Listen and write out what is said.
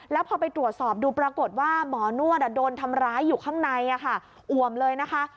แล้วพอไปตรวจสอบดูปรากฏว่าหมอนวดโดนทำร้ายอยู่ข้างในอ่วมเลยนะคะ